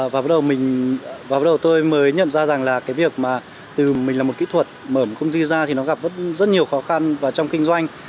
vào bắt đầu tôi mới nhận ra rằng từ mình là một kỹ thuật mở một công ty ra thì nó gặp rất nhiều khó khăn trong kinh doanh